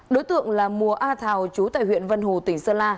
đối tượng là mùa a thảo trú tại huyện vân hồ tỉnh sơn la